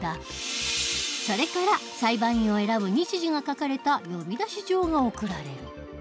それから裁判員を選ぶ日時が書かれた呼出状が送られる。